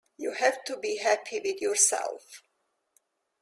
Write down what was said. You have to be happy with yourself.